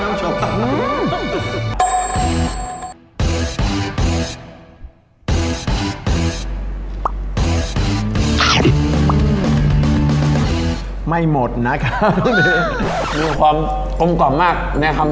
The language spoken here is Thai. อร่อยเชียบแน่นอนครับอร่อยเชียบแน่นอนครับ